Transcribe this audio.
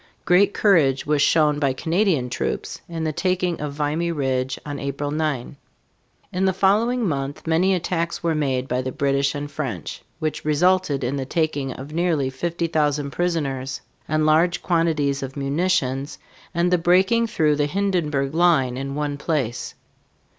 Great courage was shown by Canadian troops in the taking of Vimy Ridge on April 9. In the following month many attacks were made by the British and French, which resulted in the taking of nearly 50,000 prisoners and large quantities of munitions, and the breaking through the Hindenburg line in one place.